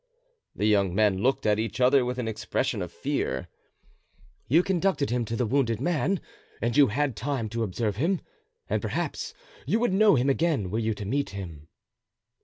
The young men looked at each other with an expression of fear. "You conducted him to the wounded man and you had time to observe him, and perhaps you would know him again were you to meet him."